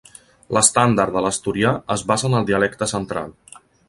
L'estàndard de l'asturià es basa en el dialecte central.